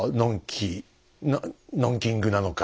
ノンキングなのか。